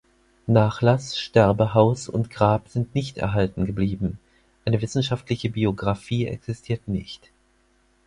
Nachlass, Sterbehaus und Grab sind nicht erhalten geblieben, eine wissenschaftliche Biographie existiert nicht.